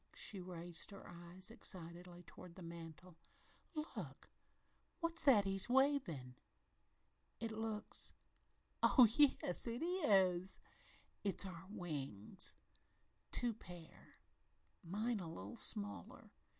she raised her eyes excitedly toward the mantel, "Look! What's that he's wavin'? It looks oh yes, it is it's our wings two pairs mine a little smaller.